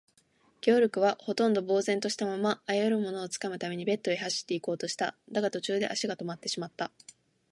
ゲオルクは、ほとんど呆然ぼうぜんとしたまま、あらゆるものをつかむためベッドへ走っていこうとした。だが、途中で足がとまってしまった。